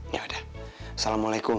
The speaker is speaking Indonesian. ya udah assalamualaikum